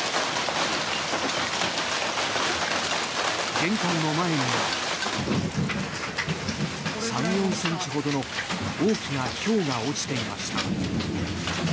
玄関の前には３４ｃｍほどの大きなひょうが落ちていました。